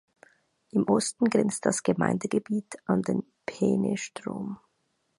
Im Osten grenzt das Gemeindegebiet an den Peenestrom.